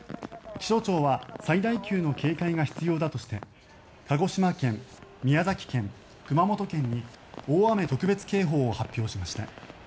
気象庁は最大級の警戒が必要だとして鹿児島県、宮崎県、熊本県に大雨特別警報を発表しました。